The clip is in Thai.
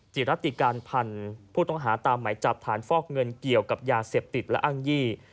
จิรัติการพันธุ์ผู้ต้องหาตามหมายจับฐานฟอกเงินเกี่ยวกับยาเสพติดและอ้างยี่